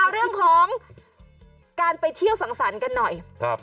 เรื่องของการไปเที่ยวสั่งสันกันหน่อย